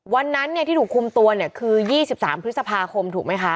วันนั้นที่ถูกคุมตัวเนี่ยคือ๒๓พฤษภาคมถูกไหมคะ